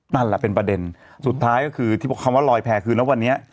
นั่นแหละเป็นประเด็นสุดท้ายก็คือที่คำว่าลอยแพร่คือนะวันนี้